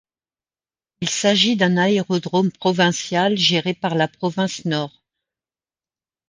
Il s'agit d'un aérodrome provincial, géré par la Province Nord.